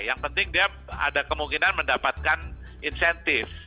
yang penting dia ada kemungkinan mendapatkan insentif